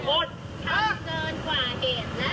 ตรงนี้ที่มึงยืนตรงนี้